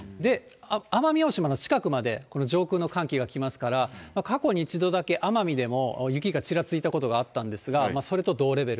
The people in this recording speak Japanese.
奄美大島の近くまでこの上空の寒気が来ますから、過去に一度だけ奄美でも雪がちらついたことがあったんですが、それと同レベル。